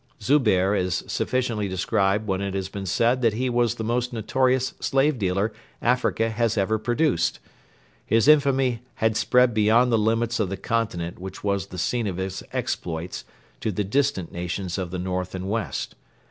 Zubehr is sufficiently described when it has been said that he was the most notorious slave dealer Africa has ever produced. His infamy had spread beyond the limits of the continent which was the scene of his exploits to the distant nations of the north and west.